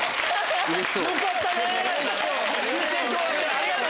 ありがとう！